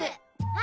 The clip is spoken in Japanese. あ！